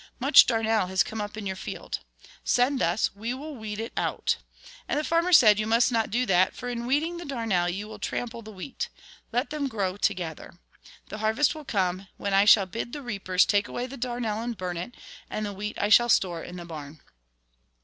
Much darnel has come up in your field. Send us, we will weed it out." And the farmer said :" You must not do that, for in weeding the darnel you will trample the wheat. Let them grow together. The harvest will come, when I shall bid the reapers take away the darnel and burn it ; and the wheat I shall store in the barn."